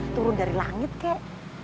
turun dari langit kek